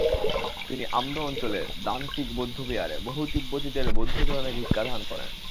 তিনি আমদো অঞ্চলে দান-তিগ বৌদ্ধবিহারে বহু তিব্বতীদের বৌদ্ধধর্মে দীক্ষাদান করেন।